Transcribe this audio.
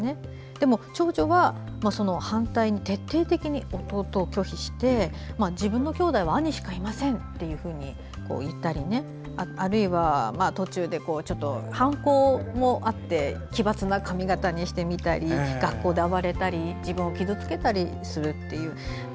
でも長女はその反対で徹底的に拒否して自分のきょうだいは兄しかいませんと言ったりあるいは途中で、反抗もあって奇抜な髪形にしてみたり学校で暴れたり自分を傷つけたりするっていう。